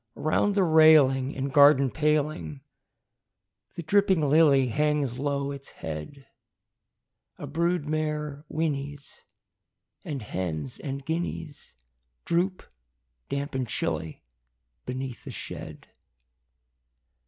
Around the railing and garden paling The dripping lily hangs low its head: A brood mare whinnies; and hens and guineas Droop, damp and chilly, beneath the shed.